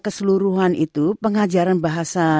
keseluruhan itu pengajaran bahasa